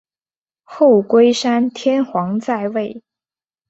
后龟山天皇在位。